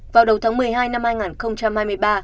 vào đầu tháng một mươi hai năm hai nghìn hai mươi ba